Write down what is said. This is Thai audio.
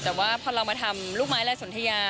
แต่ว่าพอเรามาทำลูกไม้ลายสนทยา